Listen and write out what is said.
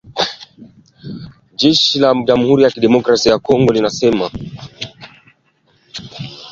Jeshi la Jamuhuri ya kidemokrasia ya Kongo linasema limeua waasi kumi na moja wa Waasi washirika ya majeshi ya kidemokrasia